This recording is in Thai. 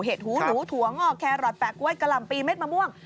หูหนูถั่วงอกแครอทแปะก๊วยกะห่ำปีเม็ดมะม่วง